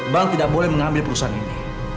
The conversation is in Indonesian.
bank tidak boleh mengambil perusahaan ini